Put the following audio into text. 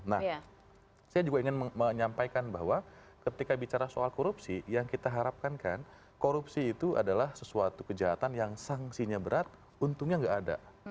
nah saya juga ingin menyampaikan bahwa ketika bicara soal korupsi yang kita harapkan kan korupsi itu adalah sesuatu kejahatan yang sanksinya berat untungnya nggak ada